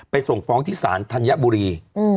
ส่งฟ้องที่ศาลธัญบุรี